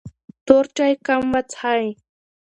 تور چای کم وڅښئ.